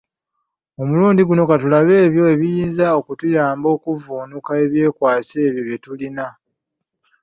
Ku mulundi guno, katulabe ebyo ebiyinza okutuyamba okuvvuunuka ebyekwaso ebyo bye tulina.